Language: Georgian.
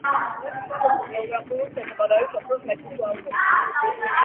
არის სამეფო გეოგრაფიული საზოგადოების ოქროს მედლის ლაურეატი.